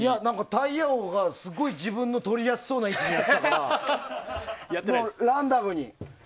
タイヤ王がすごい自分のとりやすそうな位置にやってたからランダムに。